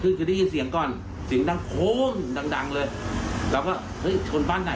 คือผ่านหน้าร้านเลยผ่านเข้ามานี่